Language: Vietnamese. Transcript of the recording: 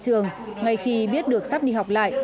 trường ngay khi biết được sắp đi học lại